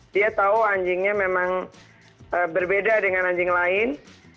dia tahu anjingnya memang berbeda dengan anjing lain